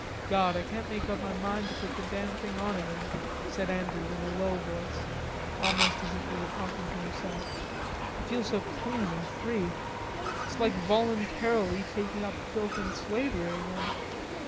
"God, I can't make up my mind to put the damn thing on again," said Andrews in a low voice, almost as if he were talking to himself; "I feel so clean and free. It's like voluntarily taking up filth and slavery again....